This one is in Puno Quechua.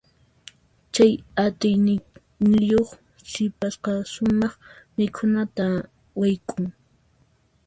Chay atiyniyuq sipasqa sumaq mikhunata wayk'un.